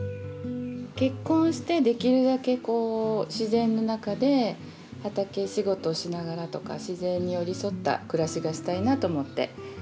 結婚してできるだけこう自然の中で畑仕事しながらとか自然に寄り添った暮らしがしたいなと思って。